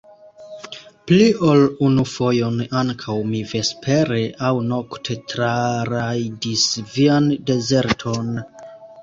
Pli ol unu fojon ankaŭ mi vespere aŭ nokte trarajdis vian dezerton!